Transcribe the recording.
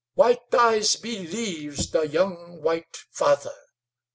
"White Eyes believes the young White Father.